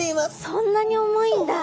そんなに重いんだ。